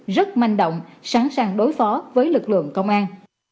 rất manh động sẵn sàng đối phó với lực lượng công an